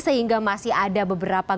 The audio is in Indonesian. sehingga masih ada beberapa